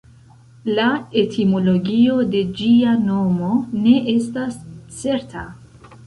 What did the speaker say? La etimologio de ĝia nomo ne estas certa.